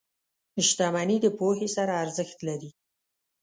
• شتمني د پوهې سره ارزښت لري.